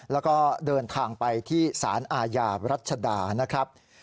แล้วก็เดินทางไปที่สารอาญารัชดานะครับ